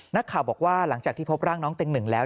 นักข่าวบอกว่าหลังจากที่พบร่างน้องเต็งหนึ่งแล้ว